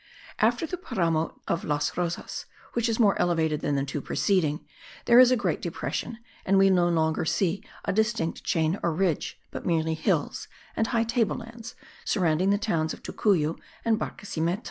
After the Paramo of Las Rosas, which is more elevated than the two preceding, there is a great depression, and we no longer see a distinct chain or ridge, but merely hills, and high table lands surrounding the towns of Tocuyo and Barquisimeto.